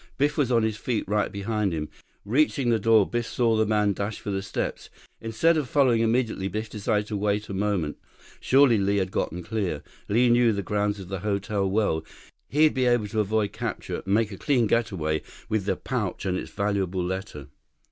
Biff was on his feet, right behind him. Reaching the door, Biff saw the man dash for the steps. Instead of following immediately, Biff decided to wait a moment. Surely Li had gotten clear. Li knew the grounds of the hotel well. He'd be able to avoid capture, make a clean getaway with the pouch and its valuable letter.